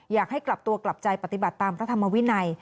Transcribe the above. อยากให้กลับตัวกลับใจปฏิบัติตามพระธรรมวินัย